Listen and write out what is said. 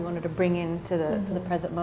dan ingin membawa ke saat ini